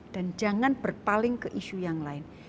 dan jangan berpaling ke issue yang lain